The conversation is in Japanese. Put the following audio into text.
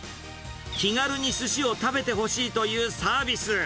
気軽にすしを食べてほしいというサービス。